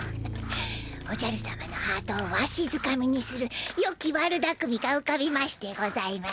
おじゃる様のハートをわしづかみにするよき悪だくみがうかびましてございます。